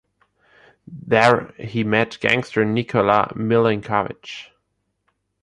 There he met gangster Nikola Milinkovich.